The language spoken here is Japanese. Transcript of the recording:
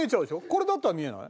これだったら見えない？